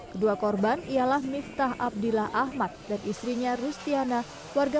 kedua korban ialah miftah abdillah ahmad dan istrinya rustiana